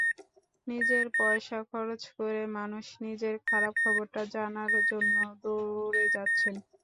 নিজের পয়সা খরচ করে মানুষ নিজের খারাপ খবরটা জানার জন্য দৌড়ে যাচ্ছেন।